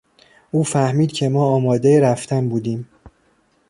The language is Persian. او فهمید که ما آمادهی رفتن بودیم.